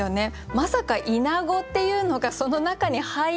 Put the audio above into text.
まさかイナゴっていうのがその中に入らない。